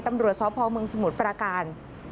ตำรวจสพเมืองสมุทรปราการ